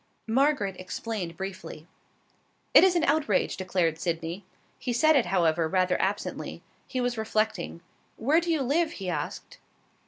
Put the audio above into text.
Margaret explained briefly. "It is an outrage," declared Sydney. He said it, however, rather absently. He was reflecting. "Where do you live?" he asked.